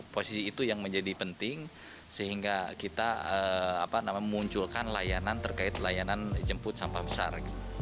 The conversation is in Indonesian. posisi itu yang menjadi penting sehingga kita memunculkan layanan terkait layanan jemput sampah besar